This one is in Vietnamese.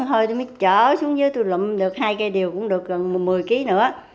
thôi tôi mới chở xuống dưới tôi lụm được hai cây điều cũng được gần một mươi kg nữa